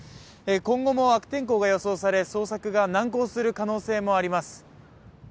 今後も悪天候が予想され捜索が難航する可能性もあります。